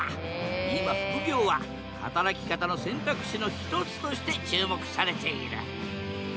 今副業は働き方の選択肢の一つとして注目されている！